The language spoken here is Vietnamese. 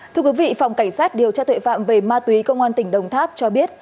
thưa quý vị phòng cảnh sát điều tra tuệ phạm về ma túy công an tỉnh đồng tháp cho biết